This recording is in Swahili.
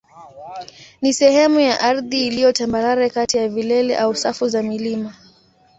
ni sehemu ya ardhi iliyo tambarare kati ya vilele au safu za milima.